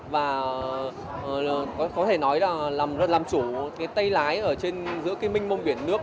và có thể nói là làm chủ cái tay lái ở trên giữa cái minh mông biển nước